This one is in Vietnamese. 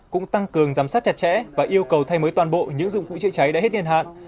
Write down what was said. cũng tăng cường giám sát chặt chẽ và yêu cầu thay mới toàn bộ những dụng cụ chữa cháy đã hết niên hạn